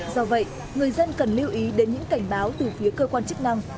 do vậy người dân cần lưu ý đến những cảnh báo từ phía cơ quan chức năng